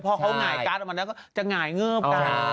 พอเค้าง่ายการ์ดออกมาแบบนั้นก็จะง่ายเงือบ